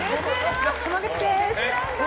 浜口です。